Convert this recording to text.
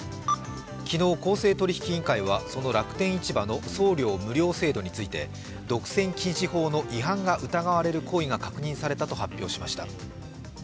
昨日、公正取引委員会はその楽天市場の送料無料制度について、独占禁止法の違反が疑われる行為が確認されたと発表しました。